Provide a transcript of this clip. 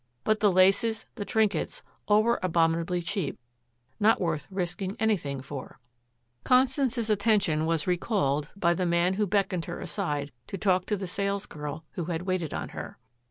But the laces, the trinkets, all were abominably cheap, not worth risking anything for. Constance's attention was recalled by the man who beckoned her aside to talk to the salesgirl who had waited on her.